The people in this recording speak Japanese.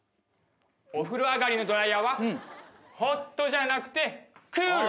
お風呂上がりのドライヤーは「ＨＯＴ」じゃなくて「ＣＯＯＬ」だ。